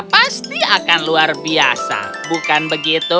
pasti akan luar biasa bukan begitu